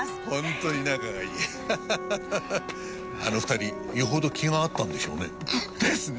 あの２人よほど気が合ったんでしょうね。ですね。